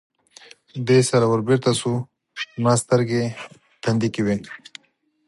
دې سره ور بېرته شو، زما سترګې تندې کې وې.